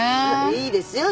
いいですよ。